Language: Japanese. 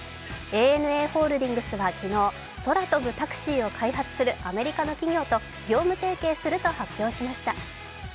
ＡＮＡホールディングスは昨日、空飛ぶタクシーを開発するアメリカの企業と業務提携すると発表しました。